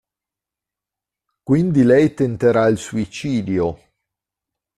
Quindi lei tenterà il suicidio.